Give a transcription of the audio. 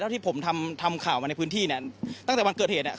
ที่ผมทำทำข่าวมาในพื้นที่เนี่ยตั้งแต่วันเกิดเหตุเนี่ย